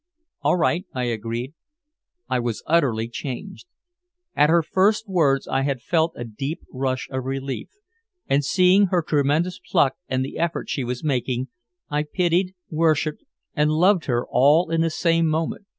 "All right," I agreed. I was utterly changed. At her first words I had felt a deep rush of relief, and seeing her tremendous pluck and the effort she was making, I pitied, worshiped and loved her all in the same moment.